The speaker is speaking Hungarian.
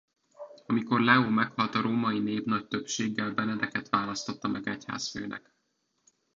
Amikor Leó meghalt a római nép nagy többséggel Benedeket választotta meg egyházfőnek.